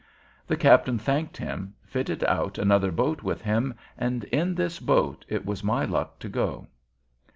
The captain thanked him, fitted out another boat with him, and in this boat it was my luck to go.